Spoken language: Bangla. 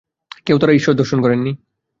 কেউ তারা ঈশ্বর দর্শন করেননি।